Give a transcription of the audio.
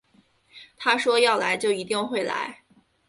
他说要来就一定会来